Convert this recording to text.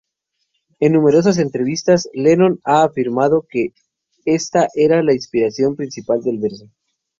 En numerosas entrevistas, Lennon ha afirmado que esta era la inspiración principal del verso.